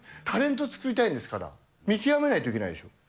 タレント作りたいんですから、見極めないといけないでしょ。